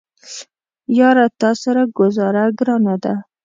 یاره تاسره ګوزاره ګرانه ده